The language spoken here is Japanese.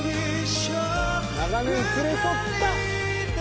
長年連れ添った。